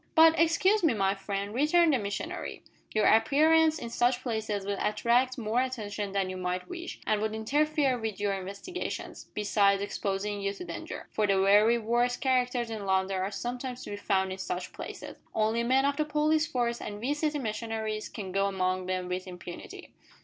"But, excuse me, my friend," returned the missionary, "your appearance in such places will attract more attention than you might wish, and would interfere with your investigations, besides exposing you to danger, for the very worst characters in London are sometimes to be found in such places. Only men of the police force and we city missionaries can go among them with impunity."